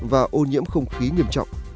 và ô nhiễm không khí nghiêm trọng